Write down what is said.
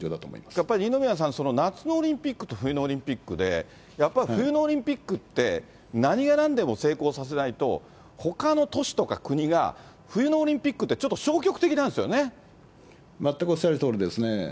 やっぱり二宮さん、夏のオリンピックと冬のオリンピックで、やっぱり冬のオリンピックって、何がなんでも成功させないと、ほかの都市とか国が、冬のオリンピックってちょっと消極的なんです全くおっしゃるとおりですね。